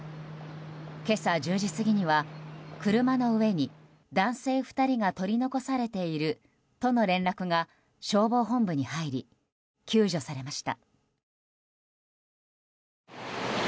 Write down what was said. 今朝１０時過ぎには車の上に男性２人が取り残されているとの連絡が消防本部に入り救助されました。